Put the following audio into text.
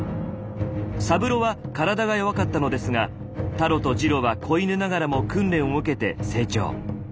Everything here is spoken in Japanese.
サブロは体が弱かったのですがタロとジロは子犬ながらも訓練を受けて成長。